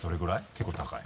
結構高い？